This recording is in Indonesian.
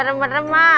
ini remak remak